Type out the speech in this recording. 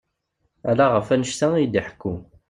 Ala ɣef wannect-a iyi-d-iḥekku.